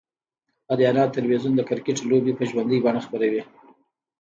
آریانا تلویزیون دکرکټ لوبې به ژوندۍ بڼه خپروي